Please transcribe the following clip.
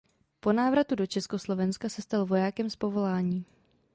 Po návratu do Československa se stal vojákem z povolání.